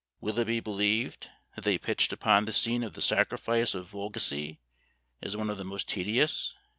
Will it be believed, that they pitched upon the scene of the sacrifice of Volgesie, as one of the most tedious?